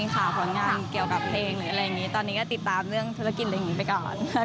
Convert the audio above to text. ตอนนี้ก็ติดตามเรื่องธุรกิจอะไรอย่างนี้ไปก่อน